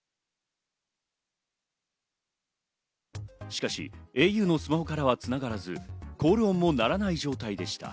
しかし、ａｕのスマホは繋がらず、コールも鳴らない状態でした。